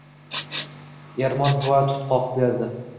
Ermon buva tut qoqib berdi.